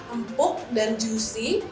empuk dan juicy